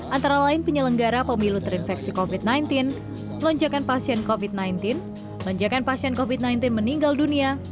antara lain penyelenggara pemilu terinfeksi covid sembilan belas lonjakan pasien covid sembilan belas lonjakan pasien covid sembilan belas meninggal dunia